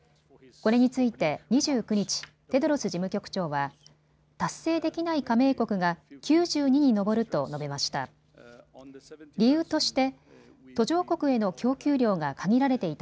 これについて２９日、テドロス事務局長は達成できない加盟国が９２に上ると述べました。